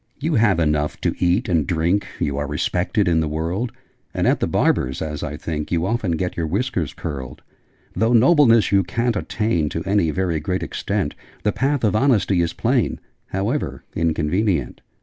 'You have enough to eat and drink: You are respected in the world: And at the barber's, as I think, You often get your whiskers curled. Though Nobleness you ca'n't attain To any very great extent The path of Honesty is plain, However inconvenient!'